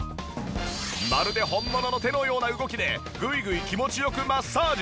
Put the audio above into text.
まるで本物の手のような動きでグイグイ気持ち良くマッサージ。